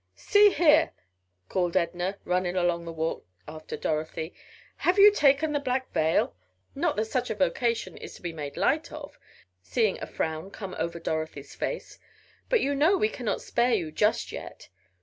"See here!" called Edna, running along the walk after Dorothy. "Have you taken the black veil? Not that such a vocation is to be made light of," seeing a frown come over Dorothy's face, "but you know we cannot spare you just yet.